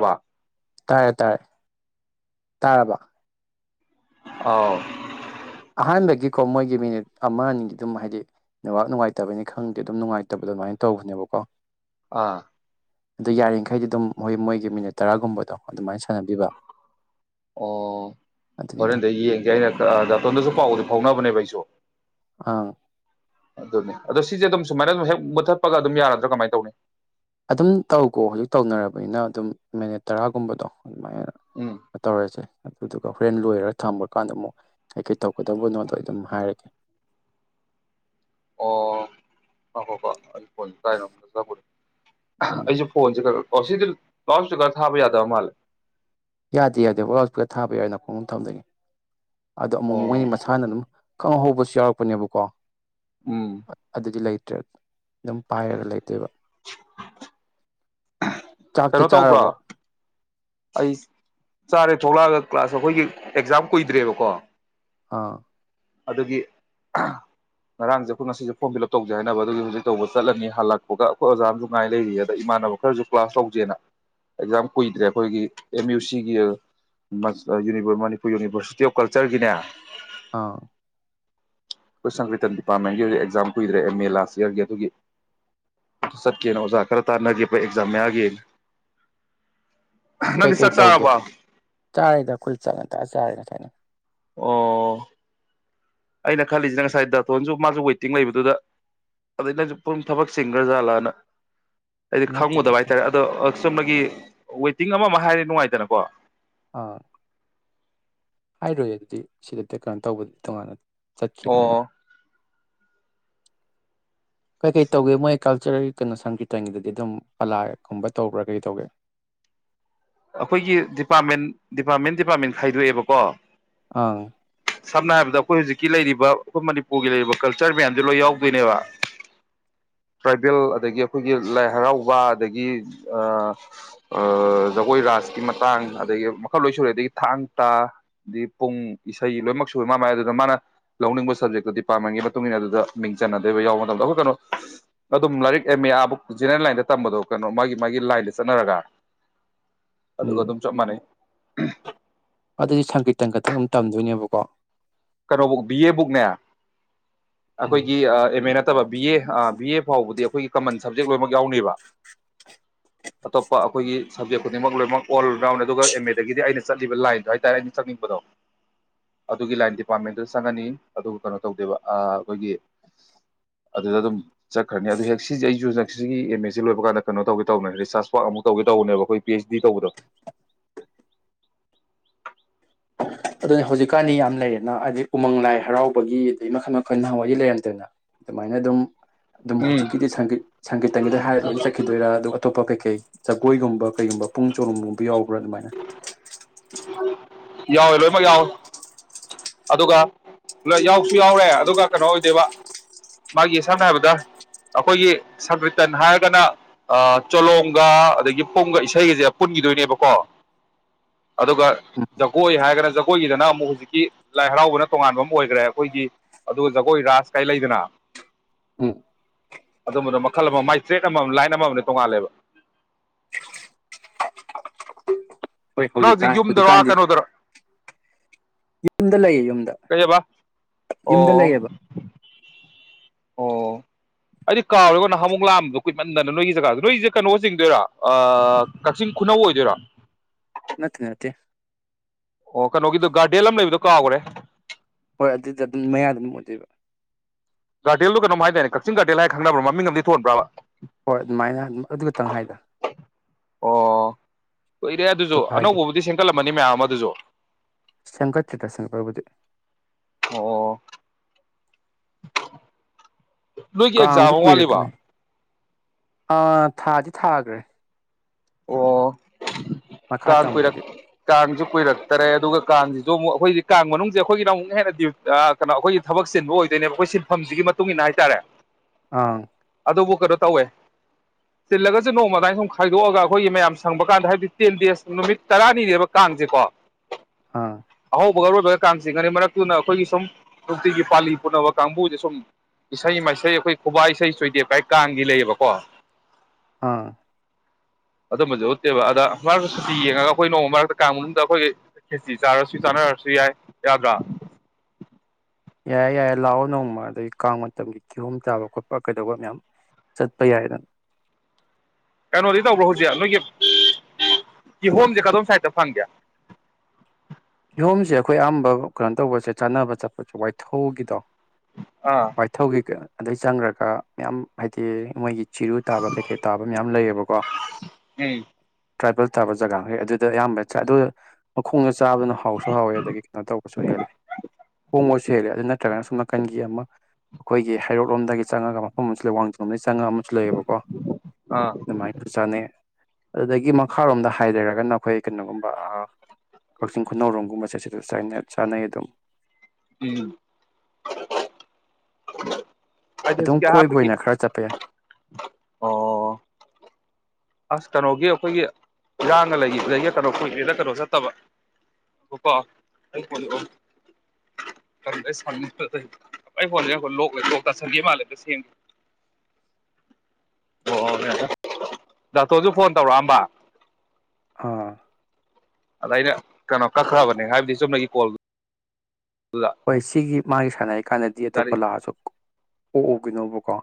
ꯕ ꯇꯥꯏꯌꯦ ꯇꯥꯏꯌꯦ ꯇꯥꯔꯕ ꯑꯥꯎ ꯑꯍꯥꯟꯕꯒꯤꯀꯣ ꯃꯣꯏꯒꯤ ꯃꯤꯅꯤꯠ ꯑꯃ ꯑꯅꯤꯒꯤ ꯑꯗꯨꯝ ꯍꯥꯏꯗꯤꯕꯥꯛ ꯅꯨꯡꯉꯥꯏꯇꯕꯅꯤ ꯈꯪꯗꯦ ꯑꯗꯨꯝ ꯅꯨꯡꯉꯥꯏꯇꯕ ꯑꯗꯨꯃꯥꯏꯅ ꯇꯧꯕꯅꯦꯕꯀꯣ ꯑꯥ ꯑꯗꯨ ꯌꯥꯔꯤꯃꯈꯩꯗꯤ ꯑꯗꯨꯝ ꯍꯣꯏ ꯃꯣꯏꯒꯤ ꯃꯤꯅꯤꯠ ꯇꯔꯥꯒꯨꯝꯕꯗꯣ ꯑꯗꯨꯃꯥꯏꯅ ꯁꯥꯟꯅꯕꯤꯕ ꯑꯣ ꯑꯗꯨꯅꯤꯗ ꯍꯣꯔꯦꯟꯗ ꯌꯦꯡꯒꯦ ꯑꯩꯅ ꯀꯛ ꯑꯇꯣꯝꯗꯁꯨ ꯄꯥꯎꯗꯤ ꯐꯥꯎꯅꯕꯅꯦꯕ ꯑꯩꯁꯨ ꯑꯥ ꯑꯗꯨꯅꯦ ꯑꯗꯣ ꯁꯤꯁꯦ ꯑꯗꯨꯝ ꯁꯨꯃꯥꯏꯅ ꯑꯗꯨꯝ ꯍꯦꯛ ꯃꯨꯊꯠꯄꯒ ꯑꯗꯨꯝ ꯌꯥꯔꯗ꯭ꯔꯥ ꯀꯃꯥꯏꯅ ꯇꯧꯅꯤ ꯑꯗꯨꯝ ꯇꯧꯈꯣ ꯍꯧꯖꯤꯛ ꯇꯧꯅꯔꯕꯅꯤꯅ ꯑꯗꯨꯝ ꯃꯤꯅꯤꯠ ꯇꯔꯥꯒꯨꯝꯕꯗꯣ ꯑꯗꯨꯃꯥꯏꯅ ꯎꯝ ꯇꯧꯔꯁꯦ ꯑꯗꯨꯗꯨꯒ ꯍꯣꯔꯦꯟ ꯂꯣꯏꯔꯒ ꯊꯃ ꯀꯥꯟꯗ ꯑꯃꯨꯛ ꯀꯩꯀꯩ ꯇꯧꯒꯗꯧꯕꯅꯣꯗꯣ ꯑꯩ ꯑꯗꯨꯝ ꯍꯥꯏꯔꯒꯦ ꯑꯣ ꯍ ꯍꯣ ꯍ ꯐ ꯀꯅꯣ ꯎꯝ ꯑꯩꯁꯦ ꯐꯣꯟꯁꯦꯔ ꯑꯣ ꯁꯤꯗꯤ ꯂꯥꯎꯁ ꯨꯀ ꯊꯥꯕ ꯌꯥꯗꯕ ꯃꯥꯜꯂꯦ ꯌꯥꯗꯦ ꯌꯥꯗꯦ ꯋꯥꯂꯁꯄꯂ ꯊꯥꯕ ꯌꯥꯏꯅ ꯈꯣꯡꯣ ꯊꯝꯗꯅꯤ ꯑꯗꯣ ꯑꯣ ꯑꯃꯨꯛꯉꯣꯏꯒꯤ ꯃꯁꯥꯅ ꯑꯗꯨꯝ ꯈꯪ ꯍꯧꯕꯁꯨ ꯌꯥꯎꯔꯛꯄꯅꯦꯕꯀꯣ ꯎꯝ ꯑꯗꯨꯗꯗꯤ ꯂꯥꯏ ꯭ꯔ ꯑꯗꯨꯝ ꯄꯥꯏꯔꯒ ꯂꯩꯇꯣꯏꯕ ꯆꯥꯛꯇꯤ ꯀꯩꯅꯣ ꯇꯧꯕ꯭ꯔꯣ ꯆꯥꯔꯕꯣ ꯑꯩ ꯆꯥꯔꯦ ꯊꯣꯛꯂꯛꯑꯒ ꯀ꯭ꯂꯥꯁ ꯑꯩꯈꯣꯏꯒꯤ ꯑꯦꯛꯖꯥꯝ ꯀꯨꯏꯗ꯭ꯔꯦꯕꯀꯣ ꯑꯥ ꯑꯗꯨꯒꯤ ꯉꯔꯥꯡꯁꯦ ꯑꯩꯈꯣꯏ ꯉꯁꯤꯁꯦ ꯐꯣꯝ ꯐꯤꯜ ꯑꯞ ꯇꯧꯖꯩ ꯍꯥꯏꯅꯕ ꯑꯗꯨꯒꯤ ꯍꯧꯖꯤꯛ ꯇꯧꯕ ꯆꯠꯂꯅꯤ ꯍꯜꯂꯛꯄꯒ ꯑꯩꯈꯣꯏ ꯑꯣꯖꯥ ꯑꯃꯁꯁꯨ ꯉꯥꯏ ꯂꯩꯔꯤ ꯑꯗ ꯏꯃꯥꯟꯅꯕ ꯈꯔꯁꯨ ꯀ꯭ꯂꯥꯁ ꯇꯧꯖꯦꯅ ꯑꯦꯛꯖꯥꯝ ꯀꯨꯏꯗ꯭ꯔꯦ ꯑꯩꯈꯣꯏꯒꯤ ꯑꯦꯝ ꯌꯨ ꯁꯤꯒꯤ ꯃꯅꯤꯄꯨꯔ ꯌꯨꯅꯤꯚꯔꯁꯤꯇꯤ ꯑꯣꯐ ꯀꯜꯆꯔꯒꯤꯅꯦ ꯑ ꯑꯩꯈꯣꯏ ꯁꯪꯀ꯭ꯔꯤꯇꯟ ꯗꯤꯄꯥꯔꯠꯃꯦꯟꯒꯤ ꯑꯦꯛꯖꯥꯝ ꯀꯨꯏꯗ꯭ꯔꯦ ꯑꯦꯝ ꯑꯦ ꯂꯥꯁ ꯏꯌꯥꯔꯒꯤ ꯑꯗꯨꯒꯤ ꯑꯗꯨ ꯆꯠꯀꯦꯅ ꯑꯣꯖꯥ ꯈꯔ ꯇꯥꯟꯅꯒꯦ ꯑꯩꯈꯣꯏ ꯑꯦꯛꯖꯥꯝ ꯃꯌꯥꯒꯤꯅ ꯀꯩꯀꯩ ꯇꯧꯒꯦ ꯆꯥꯔꯤꯗ ꯑꯩꯈꯣꯏ ꯆꯠꯉ ꯇ ꯆꯥꯔꯦꯅ [unintelligible] ꯑꯣ ꯑꯩꯅ ꯈꯜꯂꯤꯁꯤꯅ ꯉꯁꯥꯏ ꯗꯥꯇꯣꯟꯁꯨ ꯃꯥꯁꯨ ꯋꯦꯇꯤꯡ ꯂꯩꯕꯗꯨꯗ ꯑꯗꯩ ꯅꯪꯁꯨ ꯄꯨꯝ ꯊꯕꯛꯝ ꯆꯤꯡꯈ꯭ꯔꯖꯥꯠꯂꯥꯅ ꯑꯩꯗꯤ ꯅꯠꯇꯦ ꯈꯪꯉꯨꯗꯕ ꯅꯠꯇꯦ ꯍꯥꯏꯇꯥꯔꯦ ꯑꯗꯣ ꯆꯨꯝꯅꯒꯤ ꯋꯦꯇꯤꯡ ꯑꯃꯃ ꯍꯥꯏꯔꯦ ꯅꯨꯡꯉꯥꯏꯇꯅꯀꯣ ꯑꯥ ꯍꯥꯏꯔꯣꯏ ꯑꯗꯨꯗꯤ ꯁꯤꯗꯠꯇ ꯀꯩꯅꯣ ꯇꯧꯕꯗꯤ ꯇꯣꯉꯥꯟꯅ ꯆꯈꯈꯤꯕꯕꯅ ꯑꯣ ꯀꯩꯀꯩ ꯇꯧꯒꯦ ꯃꯣꯏ ꯀꯜꯆꯔꯦꯜ ꯀꯩꯅꯣ ꯁꯪꯀꯤ꯭ꯔꯤꯇꯒꯤꯗꯗꯤ ꯑꯗꯨꯝ ꯄꯂꯥꯒꯨꯝꯕ ꯇꯧꯕ꯭ꯔꯥ ꯀꯩ ꯇꯧꯒꯦ ꯑꯩꯈꯣꯏꯒꯤ ꯗꯤꯄꯥꯔꯠꯃꯦꯟ ꯗꯤꯄꯥꯔꯠꯃꯦꯟ ꯗꯤꯄꯥꯔꯠꯃꯦꯟ ꯈꯥꯏꯗꯣꯛꯑꯦꯕꯀꯣ ꯑꯥ ꯁꯝꯅ ꯍꯥꯏꯔꯕꯗ ꯑꯩꯈꯣꯏ ꯍꯧꯖꯤꯛꯀꯤ ꯂꯩꯔꯤꯕ ꯑꯩꯈꯣꯏ ꯃꯅꯤꯄꯨꯔꯒꯤ ꯂꯩꯔꯤꯕ ꯀꯜꯆꯔ ꯃꯌꯥꯝꯁꯦ ꯂꯣꯏ ꯌꯥꯎꯗꯣꯏꯅꯦꯕ ꯇ꯭ꯔꯥꯏꯕꯦꯜ ꯑꯗꯒꯤ ꯑꯩꯈꯣꯏꯒꯤ ꯂꯥꯏ ꯍꯔꯥꯎꯕ ꯑꯗꯒꯤ ꯑꯗ ꯑꯩꯈꯣꯏ ꯔꯥꯥꯁꯀꯤ ꯃꯇꯥꯡ ꯑꯗꯒꯤ ꯃꯈꯜ ꯂꯣꯏ ꯁꯨꯔꯦ ꯑꯗꯒꯤ ꯊꯥꯡ ꯇꯥ ꯑꯗꯒꯤ ꯄꯨꯡ ꯏꯁꯩ ꯂꯣꯏꯅꯃꯛ ꯁꯨꯔꯦ ꯃꯥ ꯃꯥꯏ ꯑꯗꯨꯗ ꯃꯥꯅ ꯂꯧꯅꯤꯡꯕ ꯁꯕꯖꯦꯛꯇꯣ ꯗꯤꯄꯥꯔꯠꯃꯦꯟꯒꯤ ꯃꯇꯨꯡ ꯏꯟꯅ ꯑꯗꯨꯗ ꯃꯤꯡ ꯆꯟꯅꯗꯣꯏꯕ ꯌꯥꯎꯕ ꯃꯇꯝꯗ ꯑꯩꯈꯣꯏ ꯀꯩꯅꯣ ꯑꯗꯨꯝ ꯂꯥꯏꯔꯤꯛ ꯑꯦꯝ ꯑꯦ ꯑꯥꯕꯨꯛ ꯖꯦꯅꯦꯔꯦꯜ ꯂꯥꯏꯟꯗ ꯇꯝꯕꯗꯣ ꯀꯩꯅꯣ ꯃꯥꯒꯤ ꯃꯥꯒꯤ ꯂꯥꯏꯟꯗ ꯆꯠꯅꯔꯒ ꯑꯗꯨꯒ ꯎꯝ ꯑꯗꯨꯝ ꯆꯞ ꯃꯥꯟꯅꯩ ꯎ ꯑꯗꯨꯗꯤ ꯁꯪꯀꯦꯠ ꯇꯪꯈꯛꯇꯪ ꯑꯗꯨꯝ ꯇꯝꯗꯣꯏꯅꯦꯕꯀꯣ ꯀꯩꯅꯣꯕꯨꯛ ꯕꯤ ꯑꯦꯕꯨꯛꯅꯦ ꯎꯝ ꯑꯩꯈꯣꯏꯒꯤ ꯑꯦꯝ ꯑꯦ ꯅꯠꯇꯕ ꯕꯤ ꯑꯦ ꯕꯤ ꯑꯦ ꯐꯥꯎꯕꯗꯤ ꯑꯩꯈꯣꯏꯒꯤ ꯀꯃꯟ ꯁꯕꯖꯦꯛ ꯂꯣꯏꯅꯃꯛ ꯌꯥꯎꯅꯦꯕ ꯑꯇꯣꯞꯄ ꯑꯩꯈꯣꯏꯒꯤ ꯁꯥꯕꯤ ꯑꯀꯅꯤ ꯃꯃꯛ ꯂ ꯂꯩꯝꯃꯛ ꯑꯣꯜ ꯔꯥꯎꯟ ꯑꯗꯨꯒ ꯑꯦꯝ ꯑꯦꯗꯒꯤꯗꯤ ꯑꯩꯅ ꯆꯠꯂꯤꯕ ꯂꯥꯏꯟꯗꯣ ꯍꯥꯏꯇꯥꯔꯦ ꯑꯩꯅ ꯆꯪꯅꯤꯡꯕꯗꯣ ꯑꯗꯨꯒꯤ ꯂꯥꯏꯟꯗꯤ ꯗꯤꯄꯥꯔꯠꯃꯦꯟꯇ ꯆꯪꯉꯅꯤ ꯑꯗꯨꯒ ꯀꯩꯅꯣ ꯇꯧꯗꯦꯕ ꯑꯩꯈꯣꯏꯒꯤ ꯑꯗꯨꯗ ꯑꯗꯨꯝ ꯆꯠꯈ꯭ꯔꯅꯤ ꯑꯗꯨ ꯍꯦꯛ ꯁꯤꯁꯦ ꯑꯩꯁꯨ ꯁꯤꯒꯤ ꯑꯦꯝ ꯑꯦꯁꯤꯦ ꯂꯣꯏꯕ ꯀꯥꯟꯗ ꯀꯩꯅꯣ ꯇꯧꯒꯦ ꯇꯧꯕꯅꯦ ꯔꯤꯁꯥꯔꯁ ꯋꯔꯛ ꯑꯃꯨꯛ ꯇꯧꯒꯦ ꯇꯧꯕꯅꯦꯕ ꯑꯩꯈꯣꯏ ꯄꯤ ꯑꯩꯩꯆ ꯗꯤ ꯇꯧꯕꯗꯣ ꯑꯗꯨꯅꯤ ꯍꯧꯖꯤꯛꯀꯥꯟꯗꯤ ꯌꯥꯝ ꯂꯩꯔꯦꯅ ꯍꯥꯏꯗꯤ ꯎꯃꯪ ꯂꯥꯏ ꯍꯔꯥꯎꯕꯒꯤ ꯑꯗꯩ ꯃꯈꯟ ꯃꯈꯜ ꯅꯍꯥꯟꯋꯥꯏꯗꯤ ꯂꯩꯔꯝꯗꯅ ꯑꯗꯨꯃꯥꯏꯅ ꯑꯗꯨꯝ ꯑꯗꯨꯝ ꯎꯝ ꯍꯧꯖꯤꯛꯀꯤꯗꯤ ꯁꯪꯒꯤꯠ ꯁꯪꯒꯤꯠꯇꯪꯒꯤꯗ ꯍꯥꯏꯔꯒ ꯂꯣꯏ ꯆꯠꯈꯤꯗꯣꯏꯔꯥ ꯑꯗꯨ ꯑꯇꯣꯞꯄ ꯀꯩꯀꯩ ꯖꯒꯣꯏꯒꯨꯝꯕ ꯀꯩꯒꯨꯝꯕ ꯄꯨꯡ ꯆꯣꯔꯨꯝꯝꯒꯨꯝꯕ ꯌꯥꯎꯕ꯭ꯔꯥ ꯑꯗꯨꯃꯥꯏꯅ ꯌꯥꯎꯋꯦ ꯂꯣꯏꯅꯃꯛ ꯌꯥꯎꯋꯦ ꯑꯗꯨꯒ ꯌꯥꯎꯁꯨ ꯌꯥꯎꯔꯦ ꯑꯗꯨꯒ ꯀꯩꯅꯣ ꯑꯣꯏꯗꯣꯏꯕ ꯃꯥꯒꯤ ꯁꯝꯅ ꯍꯥꯏꯔꯕꯗ ꯑꯩꯈꯣꯏꯒꯤ ꯁꯪꯀ꯭ꯔꯤꯇꯟ ꯍꯥꯏꯔꯒꯅ ꯆꯣꯂꯣꯝꯒ ꯑꯗꯒꯤ ꯄꯨꯝꯒ ꯏꯁꯩꯒꯁꯦ ꯄꯨꯟꯈꯤꯗꯣꯏꯅꯦꯕꯀꯣ ꯑꯗꯨꯒ ꯎꯝ ꯖꯒꯣꯏ ꯍꯥꯏꯔꯒꯅ ꯖꯒꯣꯏꯒꯤꯗꯅ ꯑꯃꯨꯛ ꯍꯧꯖꯤꯛꯀꯤ ꯂꯥꯏ ꯍꯔꯥꯎꯕꯅ ꯇꯣꯉꯥꯟꯕ ꯑꯃ ꯑꯣꯏꯈ꯭ꯔꯦ ꯑꯩꯈꯣꯏꯒꯤ ꯑꯗꯨꯒ ꯖꯒꯣꯏ ꯔꯥꯁ ꯀꯥꯏ ꯂꯩꯗꯅ ꯎꯝ ꯑꯗꯨꯝꯕꯗꯣ ꯃꯈꯜ ꯑꯃ ꯃꯥꯏ ꯇ꯭ꯔꯦꯠ ꯑꯃꯝ ꯂꯥꯏꯟ ꯑꯃꯃꯝꯅꯦ ꯇꯣꯡꯉꯥꯜꯂꯦꯕ ꯍꯣꯏ ꯅꯁꯤ ꯍꯧꯖꯤꯛꯀꯥꯟ ꯌꯨꯝꯗꯔ ꯀꯩꯅꯣꯗꯔ ꯌꯗ ꯂꯩꯌꯦꯣ ꯀꯩꯕ ꯑꯣ ꯂꯩꯌꯦꯕ ꯑꯣ ꯑꯩꯗꯤ ꯀꯥꯎꯔꯦꯒꯣ ꯅ ꯍꯥꯃꯨꯛ ꯂꯥꯝꯕꯗꯣ ꯀꯨꯏꯃꯟꯗꯅ ꯅꯣꯏꯒꯤ ꯖꯒꯥꯗ ꯅꯣꯏꯁꯦ ꯀꯩꯅꯣ ꯆꯤꯡꯗꯣꯏꯔꯥ ꯀꯛꯆꯤꯡ ꯈꯨꯅꯧ ꯑꯣꯏꯗꯣꯏꯔ ꯃꯠꯇꯦ ꯅꯠꯇꯦ ꯑꯣ ꯀꯩꯅꯣꯒꯤꯗꯣ ꯒꯥꯔꯗꯦꯟ ꯑꯃ ꯂꯩꯕꯗꯣ ꯀꯥꯎꯈ꯭ꯔꯦ ꯍꯣꯏ ꯑꯗꯨꯗꯤ ꯑꯗꯨꯝ ꯃꯌꯥ ꯑꯗꯨꯝ ꯑꯣꯏꯗꯣꯏꯕ ꯒꯥꯔꯗꯦꯜꯗꯨ ꯀꯣꯝ ꯍꯥꯏꯇꯥꯔꯅꯦ ꯀꯛꯆꯤꯡ ꯒꯥꯔꯗꯦꯜ ꯍꯥꯏ ꯈꯪꯅꯕ꯭ꯔꯥ ꯃꯃꯤꯡ ꯑꯃꯗꯤ ꯊꯣꯟꯕ꯭ꯔꯕ ꯍꯣꯏ ꯑꯗꯨꯃꯥꯏꯅ ꯑꯗꯨ ꯈꯛꯇꯪ ꯍꯥꯏꯗ ꯑꯣ ꯀꯨꯏꯔꯦ ꯑꯗꯨꯁꯨ ꯑꯇꯣꯞꯄ ꯍꯥꯏꯗꯦ ꯑꯅꯧꯕꯕꯨꯗꯤ ꯁꯦꯝꯒꯠꯂꯄ ꯑꯃꯅꯤ ꯃꯌꯥꯝ ꯑꯗꯨꯁꯨ ꯁꯒꯠ ꯆꯤꯇ꯭ꯔ ꯁ ꯄꯒꯕꯗꯤ ꯑꯣ ꯅꯣꯏꯒꯤ ꯑꯦꯛꯖꯥꯝ ꯀꯥꯡꯁꯨ ꯑꯃ ꯋꯥꯠꯂꯤꯕ ꯀꯨꯏꯔꯛꯇ꯭ꯔꯤꯅꯦ ꯑꯥ ꯊꯥꯗꯤ ꯊꯥꯈ꯭ꯔꯦ ꯑꯣ ꯃꯈꯥ ꯀꯥꯡꯥꯟ ꯀꯨꯏꯔꯛ ꯇꯝꯕꯒꯤ ꯀꯥꯡꯥꯟꯁꯨ ꯀꯨꯏꯔꯛꯇꯔꯦ ꯑꯗꯨꯒ ꯀꯥꯡꯁꯤꯁꯨ ꯑꯃꯨꯛ ꯑꯩꯈꯣꯏꯗꯤ ꯀꯥꯡ ꯃꯅꯨꯡꯁꯦ ꯑꯩꯈꯣꯏꯒꯤꯅ ꯑꯃꯨꯛ ꯍꯦꯟꯅ ꯀꯩꯅꯣ ꯑꯩꯈꯣꯏꯒꯤ ꯊꯕꯛ ꯁꯤꯟꯕ ꯑꯣꯏꯗꯣꯏꯅꯦꯕ ꯑꯩꯈꯣꯏ ꯁꯤꯟꯐꯝꯁꯤꯒꯤ ꯃꯇꯨꯡ ꯏꯟꯅ ꯍꯥꯏꯇꯥꯔꯦ ꯑꯥ ꯑꯗꯨꯕꯨ ꯀꯩꯅꯣ ꯇꯧꯋꯦ ꯆꯤꯜꯂꯒꯁꯨ ꯅꯣꯡꯃꯗꯥꯥꯏ ꯁꯨꯝ ꯈꯥꯏꯗꯣꯛꯑꯒ ꯑꯩꯈꯣꯏꯒꯤ ꯃꯌꯥꯝ ꯁꯪꯕ ꯀꯥꯟꯗ ꯍꯥꯏꯕꯗꯤ ꯇꯦꯟ ꯗꯦꯖ ꯅꯨꯃꯤꯠ ꯇꯔꯥꯅꯤꯅꯦꯕ ꯀꯥꯡꯁꯦꯀꯣ ꯑꯥ ꯑꯍꯧꯕꯒ ꯑꯔꯣꯏꯕꯒ ꯀꯥꯡ ꯆꯤꯡꯒꯅꯤ ꯃꯔꯛꯇꯨꯅ ꯑꯩꯈꯣꯏꯒꯤ ꯁꯨꯝ ꯅꯨꯡꯇꯤꯒꯤ ꯄꯥꯜꯂꯤ ꯄꯨꯅꯕ ꯀꯥꯡꯕꯨꯁ ꯁꯨꯝ ꯏꯁꯩ ꯃꯁ ꯑꯩꯈꯣꯏ ꯈꯨꯕ ꯏꯁꯩ ꯆꯣꯏꯗꯦꯛꯀꯥꯏ ꯀꯥꯡꯒꯤ ꯂꯩꯌꯦꯕꯀꯣ ꯑꯥ ꯑꯗꯨꯝꯕꯁꯨ ꯎꯠꯇꯦꯕ ꯑꯗ ꯃꯔꯛꯇ ꯁꯨꯇꯤ ꯌꯦꯡꯉꯒ ꯑꯩꯈꯣꯏ ꯅꯣꯡꯃ ꯃꯔꯛꯇ ꯀꯥꯡ ꯃꯅꯨꯡꯗ ꯑꯩꯈꯣꯏ ꯈꯦꯇꯤ ꯆꯥꯔꯁꯨ ꯆꯥꯅꯔꯁꯨ ꯌꯥꯏ ꯌꯥꯗ꯭ꯔꯥ ꯌꯥꯏꯦ ꯌꯥꯏꯔꯦ ꯂꯥꯛꯑꯣ ꯅꯣꯡꯃ ꯑꯗꯒꯤ ꯀꯥꯡ ꯃꯇꯝꯒꯤ ꯀꯤꯍꯣꯝ ꯆꯥꯕ ꯈꯣꯠꯄ ꯀꯩꯗꯧꯕ ꯃꯌꯥꯝ ꯆꯠꯄ ꯌꯥꯏꯗꯅ ꯀꯩꯅꯣꯗꯤ ꯇꯧꯕ꯭ꯔꯣ ꯍꯧꯖꯤꯛ ꯅꯣꯏꯒꯤ ꯀꯤ ꯍꯣꯝꯁꯦ ꯀꯗꯣꯝ ꯁꯥꯏꯠꯇ ꯐꯪꯒꯦ ꯃꯣꯐꯝꯁꯦ ꯑꯩꯈꯣꯏ ꯑꯌꯥꯝꯝꯕ ꯀꯩꯅꯣ ꯇꯧꯕꯁꯦ ꯆꯥꯅꯕ ꯆꯠꯄꯁꯦ ꯋꯥꯏꯊꯧꯒꯤꯗꯣ ꯑꯥ ꯄꯥꯏꯊꯧꯈꯤ ꯀꯌꯥ ꯑꯗꯩ ꯆꯪꯈ꯭ꯔꯒ ꯃꯌꯥꯝ ꯍꯥꯏꯗꯤ ꯃꯣꯏꯒꯤ ꯆꯤꯔꯨ ꯇꯥꯕ ꯀꯩ ꯀꯩ ꯇꯥꯕ ꯃꯌꯥꯝ ꯂꯩꯌꯦꯕꯀꯣ ꯎꯝ ꯇ꯭ꯔꯥꯏꯕꯦꯜ ꯇꯥꯕ ꯖꯒꯥꯈꯩ ꯑꯗꯨꯗ ꯑꯌꯥꯝꯕ ꯆꯥꯏ ꯑꯗꯨ ꯃꯈꯣꯡꯗ ꯆꯥꯕꯅꯣ ꯍꯣꯡꯕꯁꯨ ꯍꯦꯜꯂꯦ ꯑꯗꯨ ꯅꯠꯇ꯭ꯔꯒꯅ ꯁꯣꯝ ꯅꯥꯀꯟꯒꯤ ꯑꯃ ꯑꯩꯈꯣꯏꯒꯤ ꯍꯩꯔꯣꯛ ꯂꯣꯝꯗꯒꯤ ꯆꯪꯉꯒ ꯃꯐꯝ ꯑꯃꯁ ꯂꯩꯋꯥꯡ ꯆꯝ ꯂꯩ ꯆꯥꯉꯥ ꯑꯃꯁꯨ ꯂꯩꯌꯦꯕꯀꯣ ꯑꯥ ꯑꯗꯨꯃꯥꯏꯅꯁꯨ ꯆꯥꯅꯩ ꯑꯗꯨꯗꯒꯤ ꯃꯈꯥꯔꯣꯝꯗ ꯍꯥꯏꯊꯔꯒꯅ ꯑꯩꯈꯣꯏ ꯀꯩꯅꯣꯒꯨꯝꯕ ꯀꯛꯆꯤꯡ ꯈꯨꯅꯧꯔꯣꯝꯒꯨꯝꯕꯁꯦ ꯁꯤ ꯆꯥꯅꯩ ꯑꯗꯨꯝ ꯎꯝ ꯍꯥꯏ ꯑꯗꯨꯝ ꯍꯧꯖꯤꯛꯀꯤ ꯀꯣꯏꯕ ꯑꯍꯥꯟꯕꯒꯤ ꯑꯣꯏꯅ ꯈꯔ ꯆꯠꯄ ꯌꯥꯏ ꯑꯣ ꯑꯁ ꯀꯩꯅꯣꯒꯤ ꯑꯩꯈꯣꯏꯒꯤ ꯏꯔꯥꯡꯒ ꯂꯩꯗꯒꯤ ꯀꯩꯅꯣ ꯀꯨꯏꯂꯦꯗ ꯀꯩꯅꯣ ꯆꯠꯇꯕ ꯑ ꯀꯣ ꯑꯩ ꯐꯣꯟꯗꯩꯅꯣ ꯑꯩ ꯑꯩ ꯐꯣꯟꯁ ꯂꯣꯛ ꯂꯣꯛ ꯇ ꯁꯟꯒ ꯃꯥꯜꯂꯦ ꯁꯦꯝꯒꯦ ꯑꯣ ꯑꯣ ꯗꯥꯛꯇꯣꯔꯁꯨ ꯐꯣꯟ ꯇꯧꯔꯛꯑꯝꯕ ꯑꯥ ꯑꯗ ꯑꯩꯅ ꯀꯩꯅꯣ ꯀꯛꯈ꯭ꯔꯕꯅꯦ ꯍꯥꯏꯕꯗꯤ ꯆꯨꯝꯅꯒꯤ ꯀꯣꯜ ꯍꯣꯏ ꯁꯤꯒꯤ ꯃꯥꯒꯤ ꯁꯥꯟꯅꯔꯤ ꯀꯥꯟꯗꯗꯤ ꯒꯥꯔꯤ ꯑꯇꯣꯞꯄ ꯂꯥꯛꯑꯁꯨ ꯑꯣ ꯑꯣ ꯅꯣꯕꯣꯀꯥ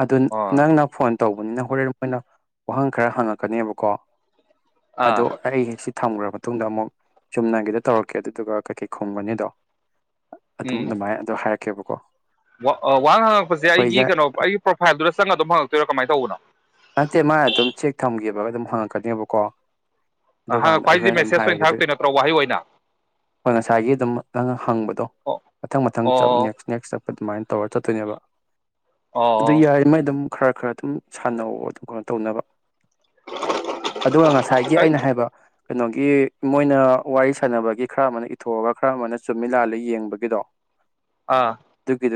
ꯑꯗꯨ ꯑꯣ ꯅꯪꯅ ꯐꯣꯟ ꯇꯧꯕꯅꯤꯅ ꯍꯣꯔꯦꯟ ꯃꯣꯏꯅ ꯋꯥꯍꯪ ꯈꯔ ꯍꯪꯉꯛꯀꯅꯦꯕꯀꯣ ꯑꯥ ꯑꯗꯣ ꯑꯩ ꯁꯤ ꯊꯝꯈ꯭ꯔꯕ ꯃꯇꯨꯡꯗ ꯑꯃꯨꯛ ꯆꯨꯝꯅꯒꯤꯗ ꯇꯧꯔꯛꯀꯦ ꯑꯗꯨꯗꯨꯒ ꯀꯩꯀꯩ ꯈꯨꯝꯒꯅꯤꯗꯣ ꯑꯗꯨꯝ ꯑꯗꯨꯃꯥꯏꯅ ꯑꯗꯨꯗꯣ ꯍꯥꯏꯔꯛꯦ ꯀꯦꯕꯀꯣ ꯋꯥꯍꯪ ꯍꯪꯉꯛꯄꯁꯦ ꯑꯩꯒꯤ ꯀꯩꯅꯣ ꯑꯩꯒꯤ ꯄ꯭ꯔꯣꯐꯥꯏꯜꯗꯨꯗ ꯆꯪꯉꯒ ꯑꯗꯨꯝ ꯍꯪꯉꯛꯄ ꯑꯗꯨ ꯀꯃꯥꯏꯅ ꯇꯧꯕꯅꯣ ꯊꯝꯒꯦꯕꯒ ꯑꯗꯨꯝ ꯍꯪꯉꯛꯀꯅꯦꯕꯀꯣ ꯑꯗꯨꯀꯥꯟꯗ ꯍꯪꯉꯛꯄ ꯍꯥꯏꯁꯦ ꯑꯩꯈꯣꯏꯅ ꯑꯗꯨꯝ ꯃꯦꯁꯦꯖ ꯑꯣꯏꯅ ꯍꯥꯏꯔꯒꯦ ꯑꯗꯨ ꯊꯥꯔꯛꯇꯣꯏ ꯅꯠꯇ꯭ꯔꯣ ꯋꯥꯍꯩ ꯑꯣꯏꯅ ꯍꯣꯏ ꯉꯁꯥꯏꯒꯤ ꯑꯗꯨꯝ ꯅꯪ ꯍꯪꯕꯗꯣ ꯑꯣ ꯃꯊꯪ ꯃꯊꯪ ꯆꯞ ꯑꯣ ꯅꯦꯛꯁ ꯅꯦꯛꯁ ꯆꯞ ꯑꯗꯨꯃꯥꯏꯅ ꯇꯧꯔ ꯆꯠꯇꯣꯏꯅꯦꯕ ꯑꯗꯨ ꯑꯣ ꯌꯥꯏ ꯃꯩ ꯑꯗꯨꯝ ꯈꯔ ꯈꯔ ꯑꯗꯨꯝ ꯑꯅꯧ ꯑꯗꯨꯝ ꯀꯩꯅꯣ ꯇꯧꯅꯕ ꯑꯗꯨꯒ ꯉꯁꯥꯏꯒꯤ ꯑꯩ ꯑꯩꯅ ꯍꯥꯏꯕ ꯀꯩꯅꯣꯒꯤ ꯃꯣꯏꯅ ꯋꯥꯔꯤ ꯁꯥꯟꯅꯕꯒꯤ ꯈꯔ ꯑꯃꯅ ꯏꯊꯣꯛꯑꯒ ꯈꯔ ꯑꯃꯅ ꯆꯨꯝꯃꯤꯂꯥꯜꯂ ꯌꯦꯡꯕꯒꯤꯗꯣ ꯑꯥ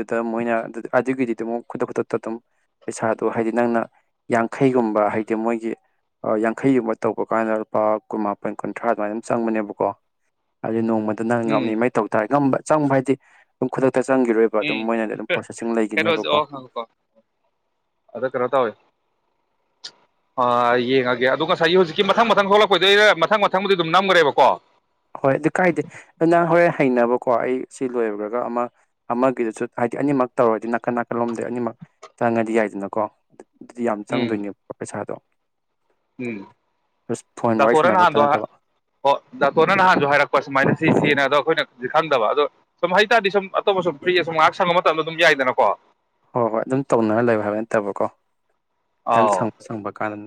ꯗ ꯃꯣꯏꯅ ꯑꯗꯨꯒꯤꯗꯤ ꯑꯃꯛ ꯈꯨꯗꯛ ꯈꯨꯗꯛꯇ ꯑꯗꯨꯝ ꯄꯩꯁꯥꯗꯣ ꯍꯥꯏꯗꯤ ꯅꯪꯅ ꯌꯥꯡꯈꯩꯒꯨꯝꯕ ꯍꯥꯏꯗꯤ ꯃꯣꯏꯒꯤ ꯌꯥꯡꯈꯩꯒꯨꯝꯕ ꯇꯧꯕ ꯀꯥꯟꯗ ꯂꯨꯄꯥ ꯀꯨꯟꯃꯥꯄꯟ ꯀꯨꯟꯊ꯭ꯔꯥ ꯑꯗꯨꯃꯥꯏꯅ ꯑꯗꯨꯝ ꯆꯪꯕꯅꯦꯕꯀꯣ ꯑꯗꯨ ꯅꯣꯡ ꯃꯗꯨꯅ ꯉꯝꯃꯤ ꯎꯝ ꯃꯩ ꯇꯧ ꯇꯥꯔꯦ ꯉ ꯆꯪꯕ ꯍꯥꯏꯗꯤ ꯑꯗꯨ ꯈꯨꯗꯛꯇ ꯍꯛꯇ ꯆꯪꯈꯤꯔꯣꯏꯕ ꯑꯗꯨꯝ ꯎꯝ ꯃꯣꯏꯅꯗꯤ ꯑꯗꯨꯝ ꯄ꯭ꯔꯣꯁꯦꯁꯤꯡ ꯀꯩꯅꯣꯁꯦ ꯂꯩꯈꯤꯅꯦꯕꯀꯣ ꯑꯣ ꯉꯥꯏꯈꯣꯀꯣ ꯑꯥ ꯌꯦꯡꯉꯒꯦ ꯑꯗꯨꯗꯣ ꯉꯁꯥꯏꯒꯤ ꯍꯧꯖꯤꯛꯀꯤ ꯃꯊꯪ ꯃꯊꯪ ꯊꯣꯛꯂꯛꯄꯩꯗꯔ ꯃꯊꯪ ꯃꯊꯪꯕꯨꯗꯤ ꯑꯗꯨꯝ ꯅꯝꯈ꯭ꯔꯦꯕꯀꯣ ꯍꯣꯏ ꯑꯗꯨ ꯀꯥꯏꯗꯦ ꯑꯗꯨ ꯅ ꯍꯣꯔꯦꯟ ꯍꯩꯅꯕꯀꯣ ꯑꯩ ꯁꯤ ꯂꯣꯏꯈꯨꯔꯒ ꯑꯃ ꯑꯃꯒꯤꯗꯨꯁꯨ ꯍꯥꯏꯗꯤ ꯑꯅꯤꯃꯛ ꯇꯧꯔꯗꯤ ꯅꯥꯀꯟ ꯅꯥꯀꯜꯂꯣꯝꯗ ꯑꯅꯤꯃꯛ ꯆꯪꯉꯗꯤ ꯌꯥꯏꯗꯅꯀꯣ ꯑꯗꯨꯗꯤ ꯌꯥꯝ ꯎꯝ ꯆꯪꯗꯣꯏꯅꯦꯕ ꯄꯩꯁꯥꯗꯣ ꯎꯝ ꯖꯁ ꯐꯣꯟ ꯋꯥꯔꯤ ꯁꯥꯟꯅꯕ ꯈꯛꯇ ꯇꯥꯄꯔꯦꯅꯗ ꯅꯠꯇꯕ ꯑꯗꯨ ꯅꯍꯥꯟꯁꯨ ꯍꯥꯏꯔꯛꯄ ꯁꯨꯃꯥꯏꯅ ꯁꯤꯦꯅ ꯑꯗꯣ ꯑꯩꯈꯣꯏꯅ ꯈꯪꯗꯕ ꯑꯗꯣ ꯁꯨꯝ ꯍꯥꯏꯇꯥꯔꯗꯤ ꯁꯨꯝ ꯑꯇꯣꯞꯄ ꯁꯨꯝ ꯐ꯭ꯔꯤ ꯑꯁꯨꯝ ꯉꯥꯏꯍꯥꯛ ꯁꯪꯕ ꯃꯇꯝꯗ ꯑꯗꯨꯝ ꯌꯥꯏꯗꯅꯀꯣ ꯍꯣꯏ ꯍꯣꯏ ꯑꯗꯨꯝ ꯇꯧꯅꯔ ꯂꯩꯕ ꯍꯥꯏꯕ ꯅꯠꯇꯕꯀꯣ ꯈꯤꯇꯪ ꯑꯥꯎ ꯁꯪꯕ ꯁꯪꯕ ꯀꯥꯟꯗ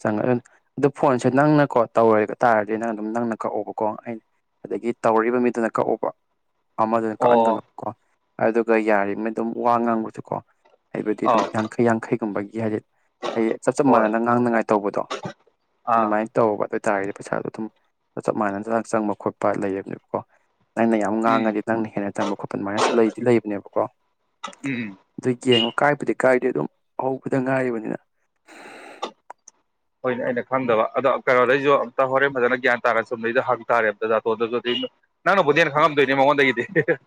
ꯆꯪꯉ ꯑꯗꯨꯅ ꯑꯗꯨꯣ ꯐꯣꯟꯁꯦ ꯅꯪꯅꯀꯣ ꯇꯧꯔ ꯇꯥꯔꯗꯤ ꯅꯪ ꯑꯗꯨꯝ ꯅꯪꯅ ꯀꯛꯎꯕꯀꯣ ꯑꯩꯅ ꯑꯗꯒꯤ ꯇꯧꯔꯛꯔꯤꯕ ꯃꯤꯗꯨꯅ ꯀꯛꯎꯕ ꯑꯃꯗꯅ ꯑꯣ ꯀꯛꯍꯟꯒꯅꯨ ꯀꯣ ꯑꯗꯨꯒ ꯌꯥꯔꯤꯕꯅ ꯑꯗꯨꯝ ꯋꯥ ꯉꯥꯡꯕꯁꯨ ꯀꯣ ꯑꯩꯕꯨꯗꯤ ꯑꯗꯨꯝ ꯑꯥꯎ ꯌꯥꯡꯈꯩ ꯌꯥꯡꯈꯩꯒꯨꯝꯕꯒꯤ ꯍꯥꯏꯗꯤ ꯑꯩꯗꯤ ꯆꯞ ꯆꯞ ꯍꯣꯏ ꯃꯥꯟꯅꯅ ꯉꯥꯡꯅꯉꯥꯏ ꯇꯧꯕꯗꯣ ꯑꯥ ꯑꯗꯨꯃꯥꯏꯅ ꯇꯧꯕ ꯑꯗꯨ ꯍꯥꯏ ꯇꯥꯔꯒꯗꯤ ꯄꯩꯁꯥꯗꯣ ꯑꯗꯨꯝ ꯆꯞ ꯃꯥꯟꯅꯅ ꯆ ꯆꯪꯕ ꯈꯣꯠꯄ ꯂꯩꯌꯦꯕꯅꯦꯕꯀꯣ ꯅꯪꯅ ꯌꯥꯝ ꯎꯝ ꯉꯥꯡꯉꯗꯤ ꯅꯪꯅ ꯍꯦꯟꯅ ꯆꯪꯕ ꯈꯣꯠꯄ ꯑꯗꯨꯃꯥꯏꯅꯁꯨ ꯂꯩꯗꯤ ꯂꯩꯕꯅꯦꯕꯀꯣ ꯎꯝ ꯎꯝ ꯑꯗꯨ ꯌꯦꯡꯉꯣ ꯀꯥꯏꯕꯗꯤ ꯀꯥꯏꯗꯦ ꯑꯗꯨꯝ ꯍꯧꯕꯗ ꯉꯥꯏꯔꯤꯕꯅꯤꯅ ꯍ ꯑꯩꯅ ꯈꯪꯗꯕ ꯑꯗꯣ ꯀꯩꯅꯣꯗꯩꯁꯨ ꯑꯝꯇ ꯍꯣꯔꯦꯟ ꯐꯖꯅ ꯒ꯭ꯌꯥꯟ ꯇꯥꯔ ꯆꯨꯝꯗꯩꯗ ꯍꯪ ꯇꯥꯔꯦꯕꯗ ꯖꯥꯇꯣꯗꯨꯁꯨ ꯑꯗꯨ ꯅꯪꯕꯨꯗꯤ ꯍ ꯈꯪꯉꯗꯣꯏꯅꯤ ꯃꯉꯣꯟꯗꯒꯤꯗꯤ ꯑꯦꯦ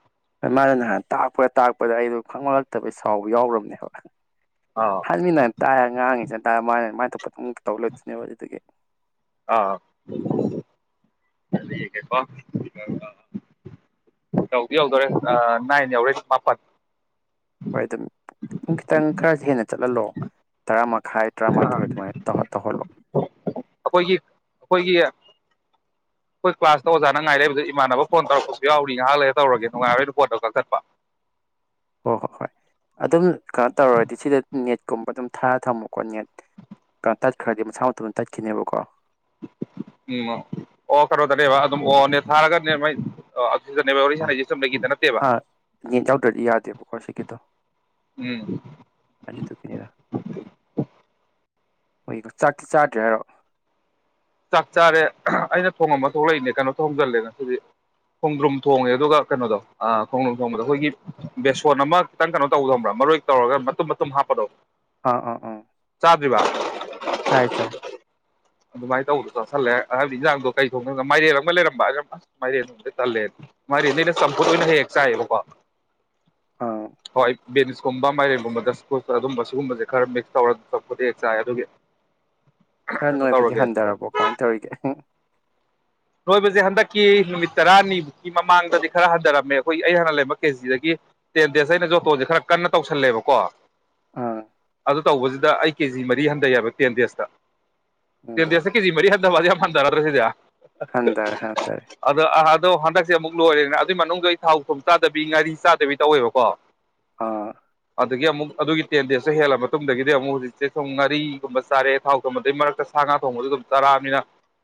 ꯃꯥꯅ ꯅꯍꯥꯟ ꯇꯥꯛꯄ ꯇꯥꯛꯄꯗ ꯑꯩꯗꯣ ꯈꯪꯍꯜꯂꯛꯇꯕꯩ ꯁꯥꯎꯕ ꯌꯥꯎ꯭ꯔꯕꯅꯦꯕ ꯑꯥ ꯍꯥꯟꯃꯤꯅ ꯇꯥꯏꯔ ꯉꯥꯡꯉꯤꯁꯦ ꯑꯗꯨꯝ ꯇꯧ ꯂꯩꯣꯏꯗꯣꯏꯅꯦꯕ ꯑꯗꯨꯗꯒꯤ ꯑꯥ ꯇꯧꯗꯤ ꯌꯧꯗꯣꯔꯦ ꯅꯥꯏꯟ ꯌꯧꯔꯦꯨꯡ ꯃꯥꯄꯜ ꯍꯣꯏ ꯑꯗꯨꯝ ꯑꯗꯨꯝ ꯈꯤꯇꯪ ꯈꯔ ꯍꯦꯟꯅ ꯆꯠꯍꯜꯂꯣ ꯇꯔꯥ ꯃꯈꯥꯏ ꯑ ꯇꯔꯥꯃꯥꯊꯣꯏ ꯑꯗꯨꯃꯥꯏꯅ ꯇꯧꯍꯜꯂꯣ ꯑꯩꯈꯣꯏꯒꯤ ꯑꯩꯈꯣꯏꯒꯤ ꯑꯩꯈꯣꯏ ꯀ꯭ꯂꯥꯁꯇ ꯑꯣꯖꯥꯅ ꯉꯥꯏꯔꯛꯏꯕꯗ ꯏꯃꯥꯟꯅꯕ ꯐꯣꯟ ꯇꯧꯔꯛꯄꯁꯨ ꯌꯥꯎꯔꯤ ꯉꯥꯏꯍꯥꯛ ꯂꯩꯔ ꯇꯧꯔꯒꯦ ꯅꯨꯡꯉꯥꯏꯔꯣꯏꯅ ꯐꯣꯟꯗꯣ ꯀꯛꯈꯠꯄ ꯍꯣꯏ ꯍꯣꯏ ꯍꯣꯏ ꯑꯗꯨꯝ ꯀꯩꯅꯣ ꯇꯧꯔꯗꯤ ꯁꯤꯗ ꯅꯦꯠꯀꯨꯝꯕ ꯑꯗꯨꯝ ꯊꯥꯔ ꯊꯝꯃꯣꯀꯣ ꯅꯦꯠ ꯀꯩꯅꯣ ꯇꯠꯈ꯭ꯔꯗꯤ ꯃꯁꯥ ꯃꯇꯗ ꯇꯠꯈꯤꯅꯦꯕꯀꯣ ꯎꯝ ꯑꯣ ꯀꯩꯅꯣꯗꯅꯦꯕ ꯑꯗꯨꯝ ꯑꯣꯅꯦ ꯊꯥꯔꯒꯅꯦ ꯃꯥꯏ ꯑꯗꯨꯗꯅꯦꯕ ꯋꯥꯔꯤ ꯑ ꯁꯥꯟꯅꯩꯁꯦ ꯆꯨꯝꯅꯒꯤꯗ ꯅꯠꯇꯦꯕ ꯑꯥ ꯌꯦꯟ ꯌꯥꯎꯗ꯭ꯔꯗꯤ ꯌꯥꯗꯦꯕꯀꯣ ꯁꯤꯀꯤꯗꯣ ꯎꯝ ꯑꯗꯨꯗꯨꯒꯤꯅꯤꯗ ꯍꯣꯏ ꯆꯥꯛꯇꯤ ꯆꯥꯗ꯭ꯔꯦ ꯍꯥꯏꯔꯣ ꯆꯥꯛ ꯆꯥꯔꯦ ꯑꯩꯅ ꯊꯣꯡꯉꯝꯕ ꯊꯣꯛꯂꯛꯏꯅꯦ ꯀꯩꯅꯣ ꯊꯣꯡꯖꯤꯜꯂꯦ ꯉꯁꯤꯗꯤ ꯈꯣꯡꯗ꯭ꯔꯨꯝ ꯊꯣꯡꯉꯦ ꯑꯗꯨꯒ ꯀꯩꯅꯣꯗꯣ ꯈꯣꯡꯗ꯭ꯔꯨꯝ ꯊꯣꯡꯕꯗꯣ ꯑꯩꯈꯣꯏꯒꯤ ꯕꯦꯁꯣꯟ ꯑꯃ ꯈꯤꯇꯪ ꯀꯩꯅꯣ ꯇꯧꯒꯗꯕ꯭ꯔꯥ ꯃꯔꯣꯏ ꯇꯧꯔꯒ ꯃꯇꯨꯝ ꯃꯇꯨꯝ ꯍꯥꯞꯄꯗꯣ ꯑꯥ ꯑꯥ ꯑ ꯆꯥꯗ꯭ꯚ ꯆꯥꯏ ꯆꯥꯏ ꯑꯗꯨꯃꯥꯏꯅ ꯇꯧꯕꯗꯣ ꯆꯠꯁꯜꯂꯦ ꯍꯥꯏꯕꯗꯤ ꯌꯦꯟꯖꯥꯡꯗꯣ ꯀꯩ ꯊꯣꯡꯗꯒ ꯃꯥꯏꯔꯦꯜ ꯑꯃꯒ ꯂꯩꯔꯝꯕ ꯑꯝ ꯑꯁ ꯃꯥꯏꯔꯦꯟꯗꯣꯝꯗ ꯇꯜꯂꯦ ꯃꯥꯏꯔꯦꯟꯗꯩꯅ ꯆꯝꯐꯨꯠ ꯑꯣꯏꯅ ꯍꯦꯛ ꯆꯥꯏꯑꯌꯦꯕꯀꯣ ꯑꯥ ꯍꯣꯏ ꯕꯦꯅꯤꯁꯀꯨꯝꯕ ꯃꯥꯏꯔꯦꯟꯒꯨꯝꯕꯗ ꯁꯄꯣꯔ ꯑꯗꯨꯝꯕ ꯁꯤꯒꯨꯝꯕꯁꯦ ꯈꯔ ꯃꯤꯛꯁ ꯇꯧꯔꯒ ꯆꯄꯗ ꯍꯦꯛ ꯆꯥꯏ ꯑꯗꯨꯒꯤ ꯀꯩꯅꯣ ꯈꯔꯅꯨꯡꯣꯏ ꯗꯤ ꯇꯧꯔꯒꯦ ꯍꯟꯊꯔꯕꯣ ꯀꯃꯥꯏꯅ ꯇꯧꯔꯤꯒꯦ ꯅꯣꯏꯕꯁꯦ ꯍꯟꯗꯛꯀꯤ ꯅꯨꯃꯤꯠ ꯇꯔꯥꯅꯤꯃꯛꯒꯤ ꯃꯃꯥꯡꯗꯗꯤ ꯈꯔ ꯍꯟꯊꯔꯝꯃꯦ ꯑꯩꯈꯣꯏ ꯑꯩ ꯍꯥꯟꯅ ꯂꯩꯔꯝꯕ ꯀꯦꯖꯤꯗꯒꯤ ꯇꯦꯟ ꯗꯦꯖ ꯑꯩꯅ ꯖꯣꯇꯣꯁꯦ ꯈꯔ ꯀꯟꯅ ꯇꯧꯁꯜꯂꯦꯕꯀꯣ ꯑꯥ ꯑꯗꯨ ꯇꯧꯕꯁꯤꯗ ꯑꯩ ꯀꯦꯖꯤ ꯃꯔꯤ ꯍꯟꯊꯩꯦꯕ ꯇꯦꯟ ꯗꯦꯖꯇ ꯎꯝ ꯇꯦꯟꯗꯁꯦ ꯀꯤꯖꯤ ꯃꯔꯤ ꯍꯗ ꯋꯥ ꯃꯟꯗ ꯅ ꯑꯗꯨꯁꯤꯗꯌꯥ ꯍꯟꯊꯔꯦ ꯍꯟꯊꯔꯦ ꯑꯗ ꯑꯗꯣ ꯍꯗꯛ ꯁꯤꯦ ꯑꯃꯨꯛ ꯂꯣꯏꯔꯦꯅ ꯑꯗꯨꯏ ꯃꯅꯨꯡꯗ ꯑꯩ ꯊꯥꯎ ꯊꯨꯝ ꯆꯥꯗꯕꯤ ꯉꯥꯔꯤ ꯆꯥꯗꯕꯤ ꯇꯧꯋꯦꯕꯀꯣ ꯑꯥ ꯑꯗꯒꯤ ꯑꯃꯨꯛ ꯑꯗꯨꯒꯤ ꯇꯦꯟ ꯗꯦꯖꯇ ꯍꯦꯜꯂ ꯃꯇꯨꯡꯗꯒꯤꯗꯤ ꯑꯃꯨꯛ ꯍꯧꯖꯤꯛꯁꯦ ꯁꯨꯝ ꯉꯥꯔꯤꯒꯨꯝꯕ ꯆꯥꯔꯦ ꯊꯥꯎ ꯊꯣꯡꯕꯗꯨꯩ ꯃꯔꯛꯇ ꯁꯥ ꯉꯥ ꯊꯣꯡꯕꯗꯨ ꯑꯗꯨꯝ ꯆꯔꯑꯕꯅꯤꯅ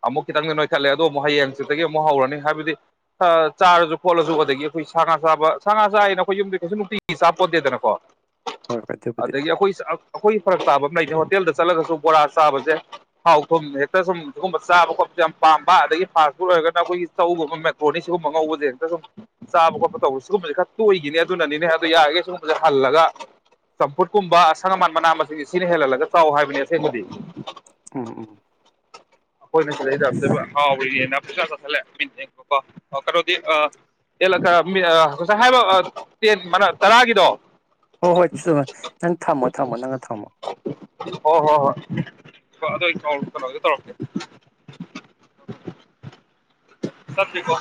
ꯑꯃꯨꯛ ꯈꯤꯇꯪ ꯅ ꯈꯠꯂꯦ ꯑꯗꯣ ꯑꯃꯨꯛ ꯍꯌꯦꯡꯁꯤꯗꯒꯤ ꯑꯃꯨꯛ ꯍꯧꯔꯅꯤ ꯍꯥꯏꯕꯗꯤ ꯆꯥꯔꯁꯨ ꯈꯣꯠꯂꯁꯨ ꯑꯗꯒꯤ ꯑꯩꯈꯣꯏ ꯁꯥ ꯉꯥ ꯆꯥꯕ ꯁꯥ ꯉꯥ ꯆꯥꯅ ꯑꯩꯈꯣꯏ ꯌꯨꯝꯗꯤ ꯀꯩꯁꯨ ꯅꯨꯡꯇꯤꯒꯤ ꯆꯥꯄꯣꯠꯇꯦꯗꯅꯀꯣ ꯍꯣꯏ ꯍꯣꯏ ꯑꯗꯨꯕꯨꯗꯤ ꯑꯗꯒꯤ ꯑꯩꯈꯣꯏ ꯑꯩꯈꯣꯏ ꯐꯔꯛ ꯇꯥꯕ ꯂꯩꯇꯦ ꯍꯣꯇꯦꯜꯗ ꯆꯠꯂꯒꯁꯨ ꯕꯣꯔꯥ ꯆꯥꯕꯁꯦ ꯍꯥꯎ ꯊꯨꯝ ꯍꯦꯛꯇ ꯁꯨꯝ ꯁꯤꯨꯝꯕ ꯆꯥꯕ ꯈꯣꯠꯄꯁꯦ ꯌꯥꯝ ꯄꯥꯝꯕ ꯑꯗꯒꯤ ꯐꯥꯁ ꯐꯨꯗ ꯑꯣꯏꯔꯒꯅ ꯑꯩꯈꯣꯏꯒꯤ ꯆꯧꯒꯨꯝꯕ ꯃꯦꯇ꯭ꯔꯣꯅꯤ ꯁꯤꯒꯨꯝꯕ ꯑꯉꯧꯕꯁꯦ ꯍꯦꯛꯇ ꯁꯨꯝ ꯆꯥꯕ ꯈꯣꯠꯄ ꯇꯧꯕ ꯁꯤꯒꯨꯝꯕꯁꯦ ꯈꯔ ꯇꯣꯏꯏꯈꯤꯅꯤ ꯑꯗꯨꯅꯅꯤꯅꯦ ꯑꯗꯨꯗꯣ ꯌꯥꯔꯒꯦ ꯁꯤꯒꯨꯝꯕꯁꯦ ꯍꯜꯂꯒ ꯆꯝꯐꯨꯠꯀꯨꯝꯕ ꯑꯁꯪ ꯑꯃꯥꯟ ꯃꯅꯥ ꯃꯁꯤꯡꯁꯦ ꯁꯤꯅ ꯍꯦꯜꯍꯜꯂꯒ ꯆꯥꯎ ꯍꯥꯏꯕꯅꯦ ꯑꯁꯦꯡꯕꯗꯤ ꯑꯝ ꯎꯝ ꯑꯩꯣꯏꯅꯁ ꯂꯩꯦ ꯥꯎꯅꯦꯅ ꯄꯩꯁꯥ ꯆꯁꯤꯜꯂꯦ ꯀꯣ ꯀꯩꯅꯣꯗꯤ ꯉꯁ ꯍꯥꯏꯕ ꯇꯔꯥꯒꯤꯗꯣ ꯍꯣꯏ ꯍꯣꯏ ꯅꯪ ꯊꯝꯃꯣ ꯊꯝꯃꯣ ꯅꯪꯅ ꯊꯝꯃꯣ ꯍꯣꯏ ꯍꯣꯏ ꯍꯣꯏ ꯍꯣꯏ ꯑꯗꯣ ꯀꯩꯅꯣꯒꯦ ꯇꯧꯔꯛꯀꯦ ꯁꯠꯁꯔꯤ ꯀꯣ